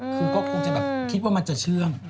คือก็คงจะแบบคิดว่ามันจะเชื่อง